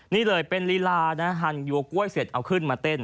นี่เลยเป็นลีลานะหั่นยัวกล้วยเสร็จเอาขึ้นมาเต้น